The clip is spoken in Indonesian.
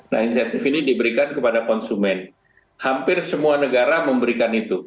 nah insentif ini diberikan kepada konsumen hampir semua negara memberikan itu